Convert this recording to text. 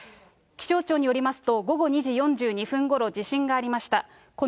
気象庁によりますと、午後２時４２分ごろ、地震がありました。